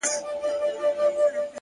د تمرکز ساتل بریا نږدې کوي.!